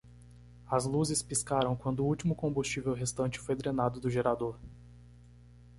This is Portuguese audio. As luzes piscaram quando o último combustível restante foi drenado do gerador.